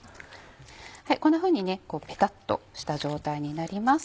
こんなふうにペタっとした状態になります。